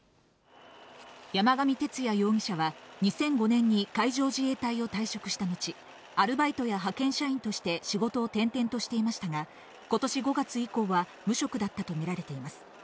山上徹也容疑者は２００５年に海上自衛隊を退職した後、アルバイトや派遣社員として仕事を転々としていましたが、ことし５月以降は無職だったと見られています。